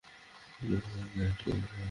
আমি ছাতের সাথে আটকে আছি কীভাবে?